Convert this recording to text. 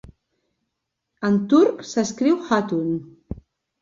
En turc s'escriu hatun.